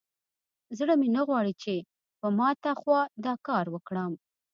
زړه مې نه غواړي چې په ماته خوا دا کار وکړم.